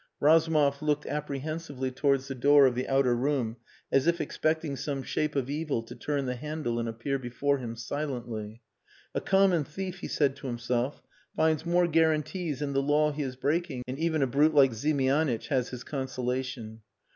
Razumov looked apprehensively towards the door of the outer room as if expecting some shape of evil to turn the handle and appear before him silently. "A common thief," he said to himself, "finds more guarantees in the law he is breaking, and even a brute like Ziemianitch has his consolation."